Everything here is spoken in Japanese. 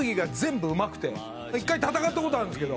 一回戦った事あるんですけど。